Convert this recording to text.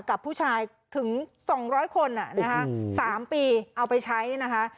กับผู้ชายถึง๒๐๐คนนะคะ๓ปีเอาไปใช้นะคะ